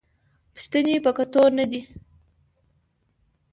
پښتنې په کتو نه دي